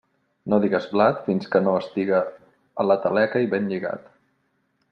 No digues blat fins que no estiga a la taleca i ben lligat.